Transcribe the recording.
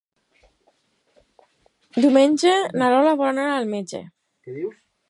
Diumenge na Lola vol anar al metge.